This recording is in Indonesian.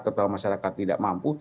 karena itu masyarakat tidak mampu